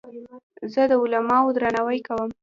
زه د علماوو درناوی کوم.